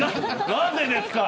何でですか。